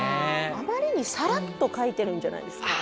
あまりにサラッと書いてるんじゃないですか？